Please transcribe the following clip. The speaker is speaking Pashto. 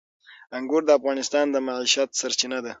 انګور د افغانانو د معیشت سرچینه ده.